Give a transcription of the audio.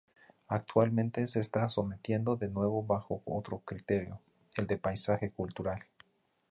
Actualmente, se está sometiendo de nuevo bajo otro criterio, el de "paisaje cultural.